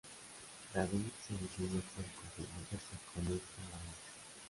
David se decidió por comprometerse con esta labor.